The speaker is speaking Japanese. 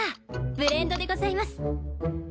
ブレンドでございます。